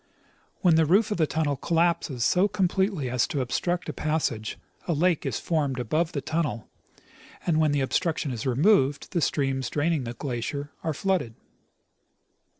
When the roof of the tunnel collapses so completely as to obstruct the passage, a lake is formed above the tunnel, and when the obstruction is removed the streams draining the glacier are flooded.